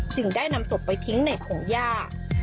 จึงได้นำศพไปทิ้งในผงย่า